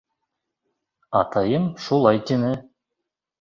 — Атайым шулай тине!